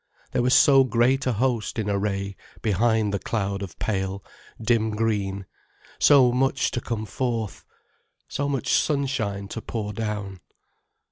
There was so great a host in array behind the cloud of pale, dim green, so much to come forth—so much sunshine to pour down.